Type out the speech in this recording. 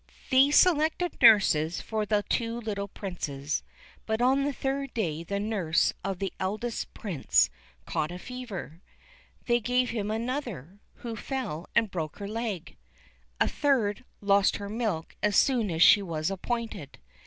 They selected nurses for the two little Princes; but on the third day the nurse of the eldest Prince caught a fever; they gave him another, who fell and broke her leg; a third lost her milk as soon as she was appointed.